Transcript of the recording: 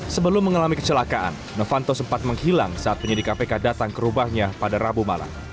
sebelum mengalami kecelakaan novanto sempat menghilang saat penyidik kpk datang ke rumahnya pada rabu malam